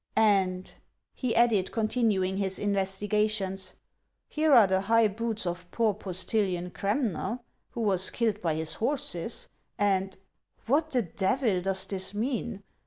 ... And," he added, continuing his investigations, " here are the high boots of poor postilion Cramner, who was killed by his horses, and — What the devil does this mean